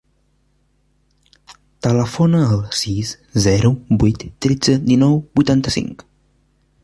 Telefona al sis, zero, vuit, tretze, dinou, vuitanta-cinc.